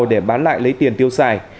để bán lại lấy tiền tiêu xài